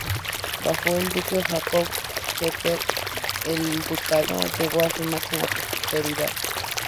Bajo el duque Jacob Kettler, el ducado llegó a su máxima prosperidad.